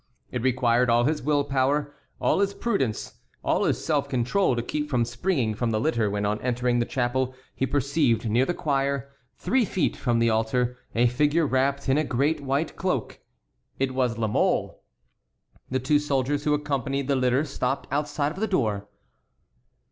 It required all his will power, all his prudence, all his self control to keep from springing from the litter when on entering the chapel he perceived near the choir, three feet from the altar, a figure wrapped in a great white cloak. It was La Mole. The two soldiers who accompanied the litter stopped outside of the door.